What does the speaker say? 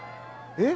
えっ？